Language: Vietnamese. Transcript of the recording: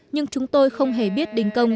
nhưng chúng tôi không hề biết đình công